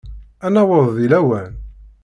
Ad naweḍ deg lawan?